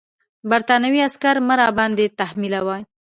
برټانوي عسکر مه راباندې تحمیلوه.